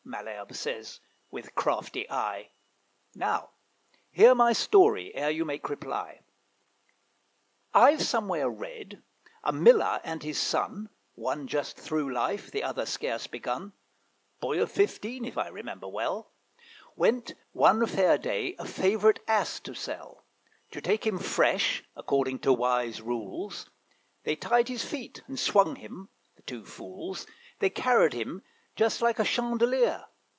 Malherbe says, with crafty eye, "Now hear my story ere you make reply. I've somewhere read, a Miller and his Son, One just through life, the other scarce begun (Boy of fifteen, if I remember well), Went one fair day a favourite Ass to sell; To take him fresh according to wise rules They tied his feet and swung him the two fools They carried him just like a chandelier.